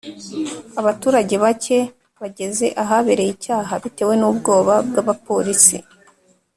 abaturage bacye bageze ahabereye icyaha bitewe n’ubwoba bw’abapolisi